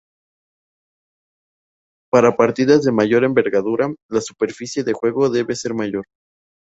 Para partidas de mayor envergadura la superficie de juego debe ser mayor.